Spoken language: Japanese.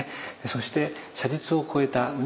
そして写実を超えたね